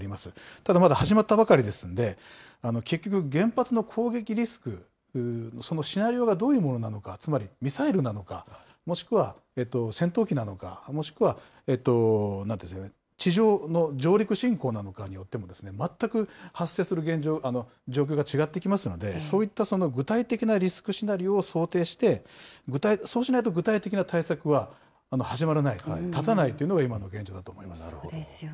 ただ、まだ始まったばかりですので、結局、原発の攻撃リスク、そのシナリオがどういうものなのか、つまりミサイルなのか、もしくは戦闘機なのか、もしくは地上の上陸侵攻なのかによっても、全く発生する状況が違ってきますので、そういった具体的なリスクシナリオを想定して、そうしないと、具体的な対策は始まらない、立たないというのが今の現状だと思います。